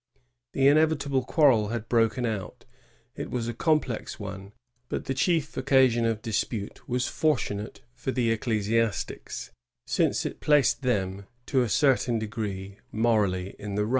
The inevitable quarrel had broken out ; it was a com plex one, but the chief occasion of dispute was fortu nate for the ecclesiastics, since it placed them, to a certain degree, morally in the right.